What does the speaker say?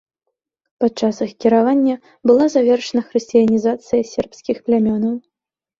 Падчас іх кіравання была завершана хрысціянізацыя сербскіх плямёнаў.